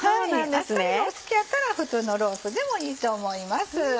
あっさりがお好きやったら普通のロースでもいいと思います。